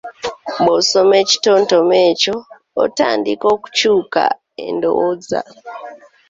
Bw'osoma ekitontome ekyo otandika okukyuka endowooza.